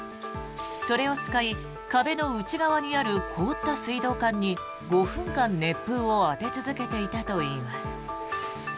それを使い壁の内側にある凍った水道管に５分間、熱風を当て続けていたといいます。